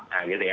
nah gitu ya